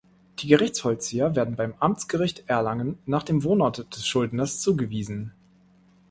Die Gerichtsvollzieher werden beim Amtsgericht Erlangen nach dem Wohnort des Schuldners zugewiesen.